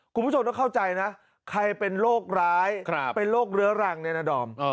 คุณผู้ชมต้องเข้าใจนะใครเป็นโรคร้ายเป็นโรคเรื้อรังเนี่ยนะดอม